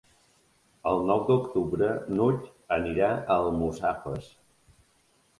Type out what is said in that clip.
El nou d'octubre n'Hug anirà a Almussafes.